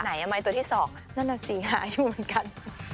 ไหนอ่ะไมค์ตัวที่๒น่ะสีหายอยู่เหมือนกัน